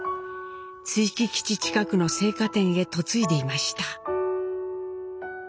築城基地近くの青果店へ嫁いでいました。